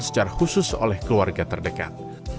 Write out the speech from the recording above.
secara khusus oleh keluarga terdekat